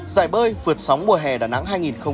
dài bơi vượt sóng mùa hè đà nẵng